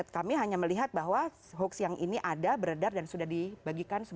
kami hanya melihat bahwa hoax yang ini ada beredar dan sudah dibagikan